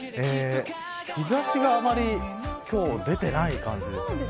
日差しがあまり今日は出ていない感じですね。